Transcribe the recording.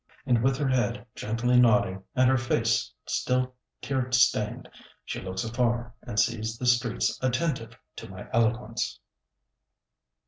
And with her head gently nodding, and her face still tear stained, she looks afar, and sees the streets attentive to my eloquence!